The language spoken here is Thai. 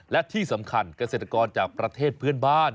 และที่สำคัญเกษตรกรจากประเทศเพื่อนบ้าน